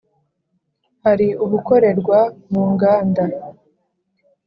Hari ubukorerwa mu nganda